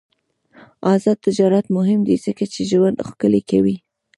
آزاد تجارت مهم دی ځکه چې ژوند ښکلی کوي.